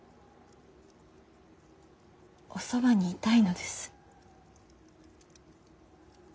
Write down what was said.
おそばにいたいのです。